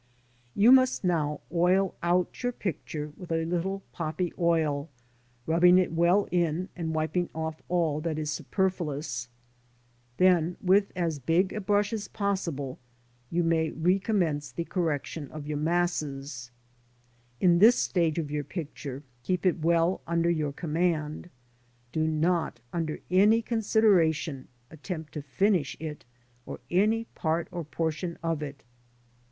You must now "oil out" your picture with a little poppy oil, rubbing it well in and wiping off" all that is superfluous. Then, with as big a brush as possible, you may recommence the correc tion of your masses. In this stage of your picture, keep it well under your command. Do not under any consideration attempt to finish it or any part or portion of it.